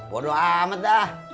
bodoh amat dah